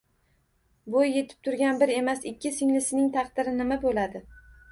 Bo‘y yetib turgan bir emas, ikki singlisining taqdiri nima bo‘ladi?